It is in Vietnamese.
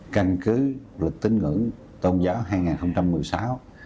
căn cứ lịch tính ngưỡng tôn giáo hai nghìn một mươi sáu